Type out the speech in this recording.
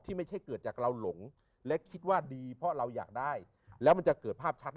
ไม่ใช่เกิดจากเราหลงและคิดว่าดีเพราะเราอยากได้แล้วมันจะเกิดภาพชัด